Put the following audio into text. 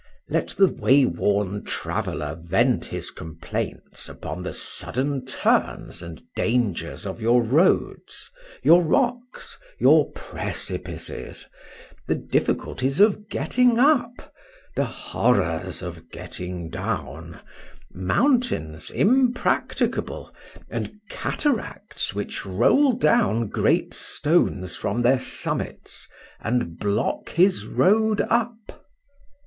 Let the way worn traveller vent his complaints upon the sudden turns and dangers of your roads,—your rocks,—your precipices;—the difficulties of getting up,—the horrors of getting down,—mountains impracticable,—and cataracts, which roll down great stones from their summits, and block his road up.